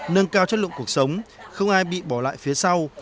nâng cao chất lượng cuộc sống không ai bị bỏ lại phía sau